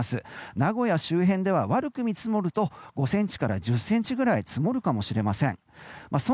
名古屋周辺では悪く見積もると５ｃｍから１０ｃｍぐらい積もるかもしれません。